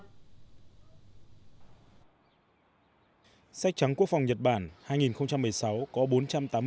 trong phần tin quốc tế nhật bản công bố sách trắng quốc phòng năm hai nghìn một mươi sáu